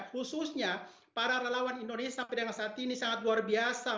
khususnya para relawan indonesia sampai dengan saat ini sangat luar biasa